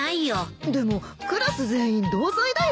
でもクラス全員同罪だよ。